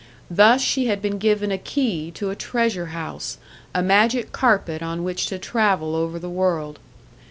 Thus she had been given a key to a treasure house, a magic carpet on which to travel over the world.